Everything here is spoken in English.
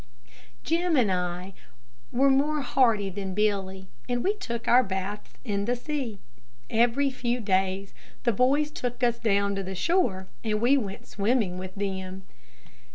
Jim and I were more hardy than Billy, and we took our baths in the sea. Every few days the boys took us down to the shore and we went in swimming with them.